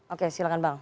oke silahkan bang